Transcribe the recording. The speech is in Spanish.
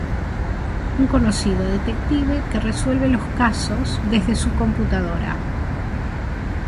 Un conocido detective que resuelve los casos desde su computadora.